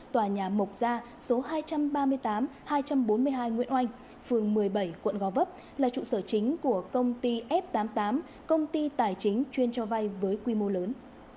tòa nhà mộc gia số hai trăm ba mươi tám hai trăm bốn mươi hai nguyễn oanh phường một mươi bảy quận gò vấp là trụ sở chính của công ty f tám mươi tám công ty tài chính chuyên cho vay với quy mô lớn